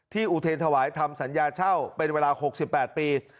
อุเทรนถวายทำสัญญาเช่าเป็นเวลา๖๘ปี